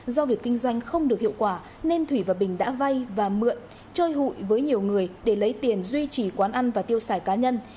do việc kinh doanh không được hiệu quả nên thủy và bình đã vay và mượn chơi hụi với nhiều người để lấy tiền duy trì quán ăn và tiêu xài cá nhân